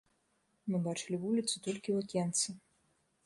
Мы бачылі вуліцу толькі ў акенца.